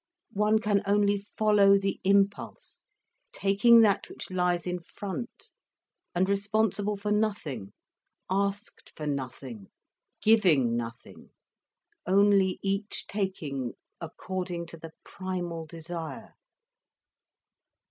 One can only follow the impulse, taking that which lies in front, and responsible for nothing, asked for nothing, giving nothing, only each taking according to the primal desire."